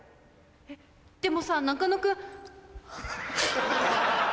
えっでもさ中野君。